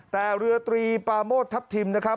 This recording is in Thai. แต่เรือตรีปาโมดทัพทิมนะครับ